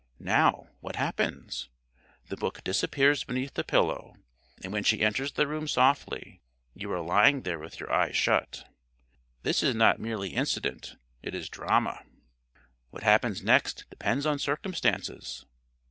Now, what happens? The book disappears beneath the pillow, and when she enters the room softly you are lying there with your eyes shut. This is not merely incident; it is drama. What happens next depends on circumstances.